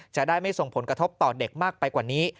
จะได้ไม่ส่งผลกระทบต่อเด็กมากไปกว่านี้